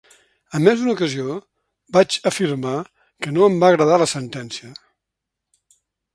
En més d’una ocasió vaig afirmar que no em va agradar la sentència.